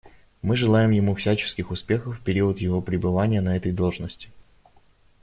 Мы желаем ему всяческих успехов в период его пребывания на этой должности.